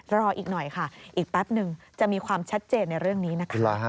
รออีกหน่อยค่ะอีกแป๊บหนึ่งจะมีความชัดเจนในเรื่องนี้นะคะ